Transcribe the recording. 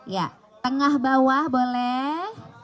ya tengah bawah boleh